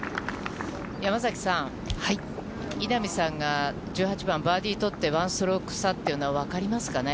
山崎さん、稲見さんが１８番、バーディー取って１ストローク差っていうのは分かりますかね。